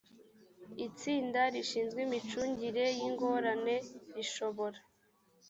itsinda rishinzwe imicungire y ingorane rishobora